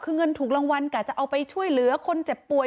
คือเงินถูกรางวัลกะจะเอาไปช่วยเหลือคนเจ็บป่วย